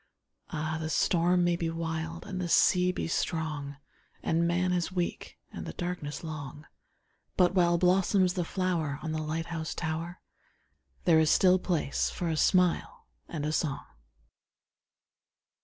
Ah, the storm may be wild and the sea be strong, And man is weak and the darkness long, But while blossoms the flower on the light house tower There still is place for a smile and a song.